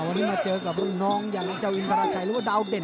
วันนี้มาเจอกับรุ่นน้องอย่างเจ้าอินทราชัยหรือว่าดาวเด่น